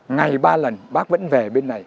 ngày ba lần bác vẫn về bên này